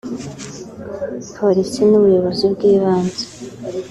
polisi n’ubuyobozi bwibanze